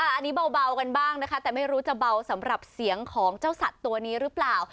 อันนี้เบากันบ้างนะคะแต่ไม่รู้จะเบาสำหรับเสียงของเจ้าสัตว์ตัวนี้หรือเปล่า